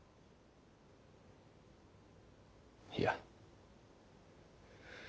いや。